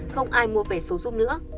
không ai mua vé số giúp nữa